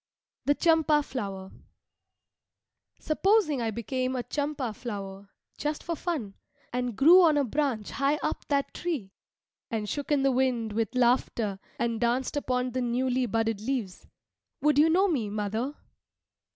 THE CHAMPA FLOWER Supposing I became a champa flower, just for fun, and grew on a branch high up that tree, and shook in the wind with laughter and danced upon the newly budded leaves, would you know me, mother?